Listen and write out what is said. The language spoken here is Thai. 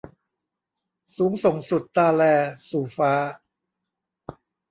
สูงส่งสุดตาแล สู่ฟ้า